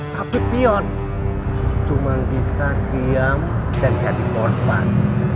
tapi pion cuma bisa diam dan jadi korban